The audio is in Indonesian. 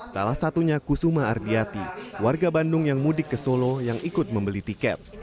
salah satunya kusuma ardiati warga bandung yang mudik ke solo yang ikut membeli tiket